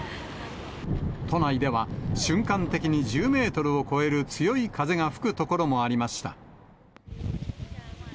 都内では、瞬間的に１０メートルを超える強い風が吹く所もありました。